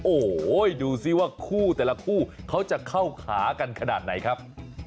โอ้โหดูสิว่าคู่แต่ละคู่เขาจะเข้าขากันขนาดไหนครับ